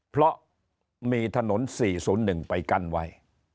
เพราะมีถนน๔๐๑ไปกั้นไว้